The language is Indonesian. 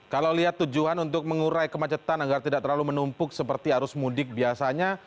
kalau lihat tujuan untuk mengurai kemacetan agar tidak terlalu menumpuk seperti arus mudik biasanya